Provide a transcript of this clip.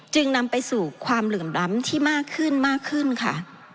จึงนำไปสู่ความเหลื่อมล้ำที่มากขึ้นมากขึ้นค่ะ